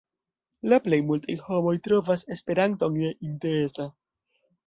La plej multaj homoj trovas Esperanton neinteresa.